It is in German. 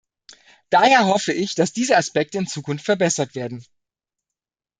Daher hoffe ich, dass diese Aspekte in Zukunft verbessert werden.